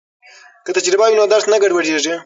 که تجربه وي نو درس نه ګډوډیږي.